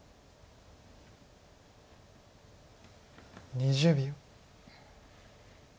２０秒。